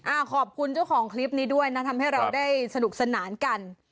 ขอบคุณเจ้าของคลิปนี้ด้วยนะทำให้เราได้สนุกสนานกัน